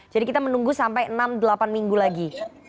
jadi kita menunggu sampai enam delapan minggu lagi